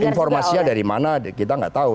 informasinya dari mana kita nggak tahu